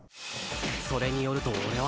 それによると俺は。